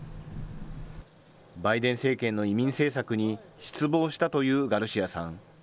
バイデン政権の移民政策に失望したというガルシアさん。